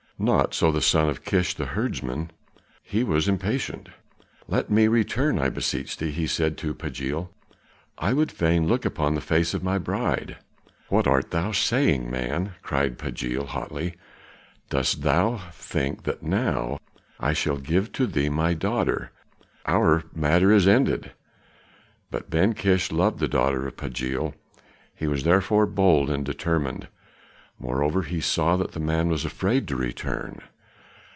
Not so the son of Kish the herdsman; he was impatient. "Let me return, I beseech thee," he said to Pagiel, "I would fain look upon the face of my bride." "What art thou saying, man?" cried Pagiel hotly. "Dost thou think that now I shall give to thee my daughter? Our matter is ended." But Ben Kish loved the daughter of Pagiel; he was therefore bold and determined. Moreover, he saw that the man was afraid to return.